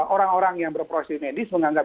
orang orang yang berproses medis menganggap